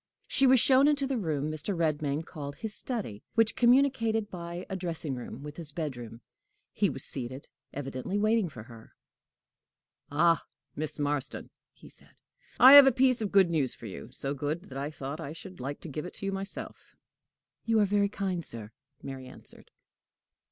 She was shown into the room Mr. Redmain called his study, which communicated by a dressing room with his bedroom. He was seated, evidently waiting for her. "Ah, Miss Marston!" he said; "I have a piece of good news for you so good that I thought I should like to give it you myself." "You are very kind, sir," Mary answered.